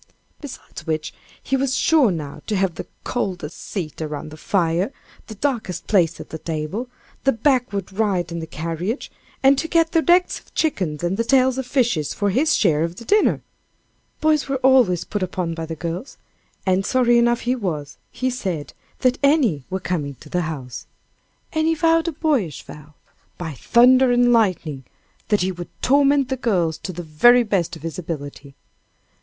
Besides which, he was sure now to have the coldest seat around the fire, the darkest place at the table, the backward ride in the carriage, and to get the necks of chickens and the tails of fishes for his share of the dinner. Boys were always put upon by the girls, and sorry enough he was, he said, that any were coming to the house. And he vowed a boyish vow "by thunder and lightning" that he would torment the girls to the very best of his ability.